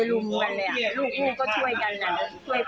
พอถอยออกมานี่ก็เลยมาอารวาสตรงนี้แหละ